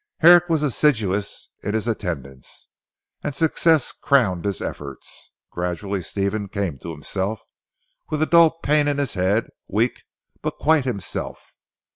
Herrick was assiduous in his attendance, and success crowned his efforts. Gradually Stephen came to himself, with a dull pain in his head, weak, but quite himself.